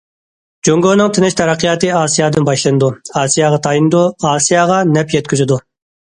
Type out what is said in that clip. جۇڭگونىڭ تىنچ تەرەققىياتى ئاسىيادىن باشلىنىدۇ، ئاسىياغا تايىنىدۇ، ئاسىياغا نەپ يەتكۈزىدۇ.